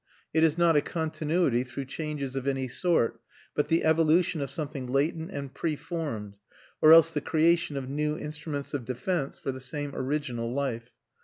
It is not a continuity through changes of any sort, but the evolution of something latent and preformed, or else the creation of new instruments of defence for the same original life.